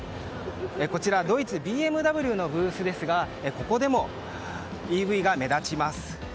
こちらはドイツＢＭＷのブースですがここでもＥＶが目立ちます。